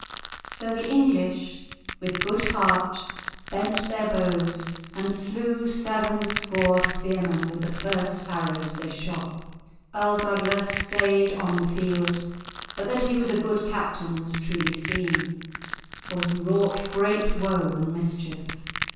So the English with good heart bent their bows, and slew seven score spearmen with the first arrows they shot. Earl Douglas stayed on the field, but that he was a good captain was truly seen, for he wrought great woe and mischief.